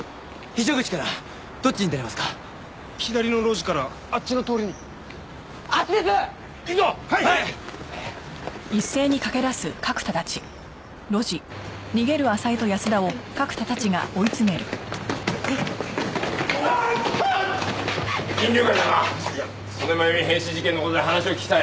曽根真由美変死事件の事で話を聞きたい。